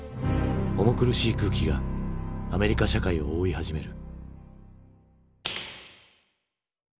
重苦しい空気がアメリカ社会を覆い始める。